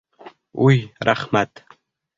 Уй, рәхмәт!